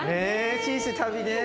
チーズ旅ね。